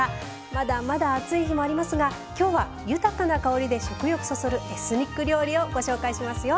まだまだ暑い日もありますが今日は豊かな香りで食欲そそるエスニック料理をご紹介しますよ。